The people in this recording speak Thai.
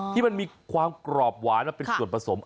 ที่มันมีความกรอบหวานมาเป็นส่วนผสม